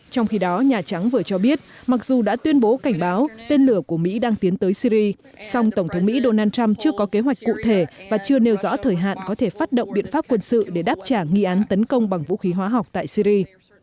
trong khi đó nhà trắng vừa cho biết mặc dù đã tuyên bố cảnh báo tên lửa của mỹ đang tiến tới syri song tổng thống mỹ donald trump chưa có kế hoạch cụ thể và chưa nêu rõ thời hạn có thể phát động biện pháp quân sự để đáp trả nghi án tấn công bằng vũ khí hóa học tại syri